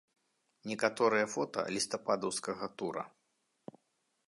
Некаторыя фота лістападаўскага тура.